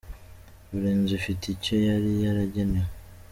Buri nzu ifite icyo yari yaragenewe.